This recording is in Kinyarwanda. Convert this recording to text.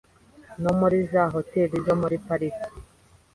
no muri za Hoteli zo muri Pariki